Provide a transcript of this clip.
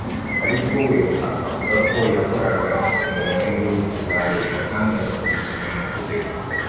ariko we akavuga ko yakoreraga mu nyungu za Leta kandi agakurikiza amategeko